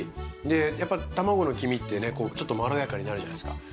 でやっぱ卵の黄身ってねこうちょっとまろやかになるじゃないですか。